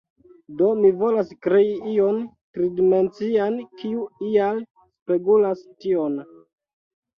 Do mi volas krei ion tridimencian, kiu ial spegulas tion.